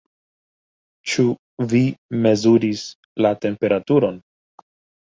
Ĉu vi mezuris la temperaturon?